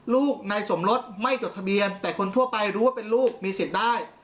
ลูกนายสมรสไม่จดทะเบียนแต่คนทั่วไปรู้ว่าเป็นลูกมีสิทธิ์ได้